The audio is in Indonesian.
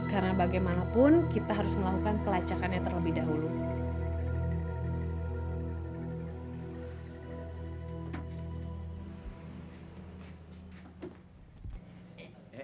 karena bagaimanapun kita harus melakukan pelacakannya terlebih dahulu